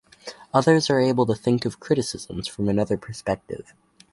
Others are able to think of criticisms from another perspective.